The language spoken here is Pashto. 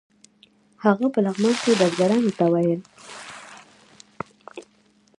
هغه په لغمان کې بزګرانو ته ویل.